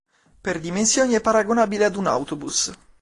Per dimensioni è paragonabile ad un autobus.